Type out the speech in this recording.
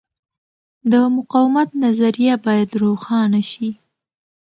د مقاومت نظریه باید روښانه شي.